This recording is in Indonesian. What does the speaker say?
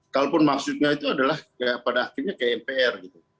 kalaupun maksudnya itu adalah pada akhirnya ke mpr gitu